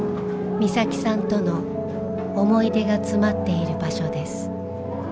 美咲さんとの思い出が詰まっている場所です。